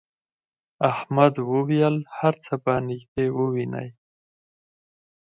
احمد وویل هر څه به نږدې ووینې.